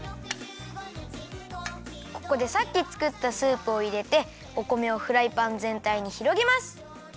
ここでさっきつくったスープをいれてお米をフライパンぜんたいにひろげます。